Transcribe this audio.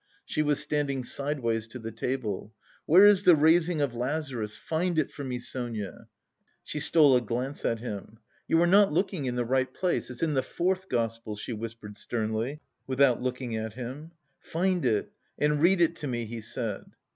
She was standing sideways to the table. "Where is the raising of Lazarus? Find it for me, Sonia." She stole a glance at him. "You are not looking in the right place.... It's in the fourth gospel," she whispered sternly, without looking at him. "Find it and read it to me," he said.